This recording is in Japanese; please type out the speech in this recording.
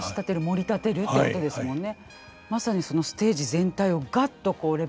盛り立てるってことですもんね。